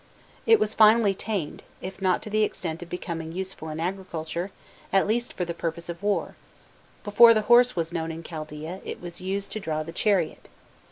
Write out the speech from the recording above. It was finally tamed, if not to the extent of becoming useful in agriculture, at least for the purposes of war: before the horse was known in Chaldaea, it was used to draw the chariot.